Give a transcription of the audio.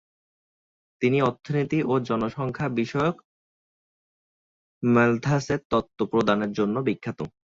তিনি অর্থনীতি ও জনসংখ্যা বিষয়ক ম্যালথাসের তত্ত্ব প্রদানের জন্য বিখ্যাত।